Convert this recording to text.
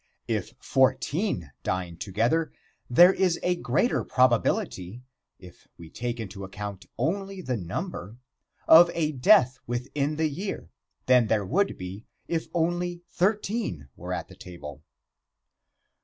If fourteen dine together there is greater probability, if we take into account only the number, of a death within the year, than there would be if only thirteen were at the table.